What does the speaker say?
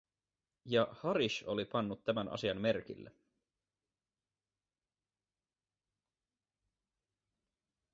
Ja Harish oli pannut tämän asian merkille.